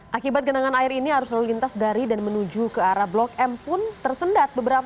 hai akibat genangan air ini harus lintas dari dan menuju ke arah blok m pun tersendat beberapa